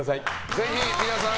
ぜひ、皆さん